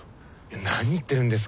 何言ってるんですか。